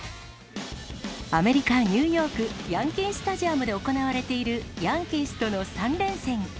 アメリカ・ニューヨーク、ヤンキースタジアムで行われているヤンキースとの３連戦。